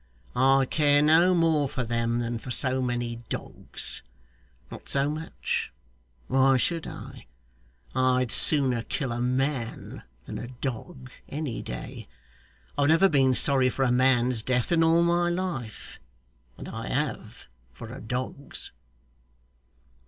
I care no more for them than for so many dogs; not so much why should I? I'd sooner kill a man than a dog any day. I've never been sorry for a man's death in all my life, and I have for a dog's.